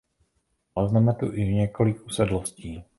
Nalezneme tu i několik usedlostí.